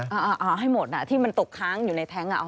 เอาให้หมดอ่ะที่มันตกค้างอยู่ในแท้งอ่ะ